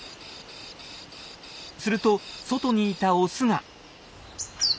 すると外にいたオスが。